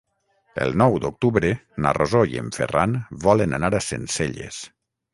El nou d'octubre na Rosó i en Ferran volen anar a Sencelles.